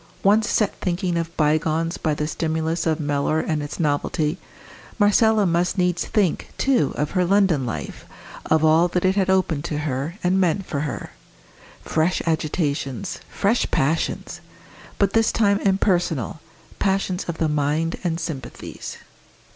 Once set thinking of bygones by the stimulus of Mellor and its novelty, Marcella must needs think, too, of her London life, of all that it had opened to her, and meant for her. Fresh agitations! fresh passions! but this time impersonal, passions of the mind and sympathies.